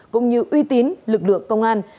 cũng như uy tín lực lượng công an